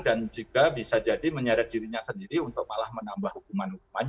dan juga bisa jadi menyeret dirinya sendiri untuk malah menambah hukuman hukumannya